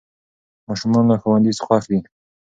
ماشومان له ښوونځي خوښ دي.